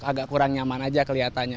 agak kurang nyaman aja kelihatannya